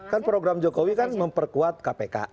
kan program jokowi kan memperkuat kpk